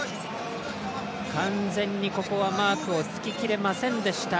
完全にマークをつききれませんでした。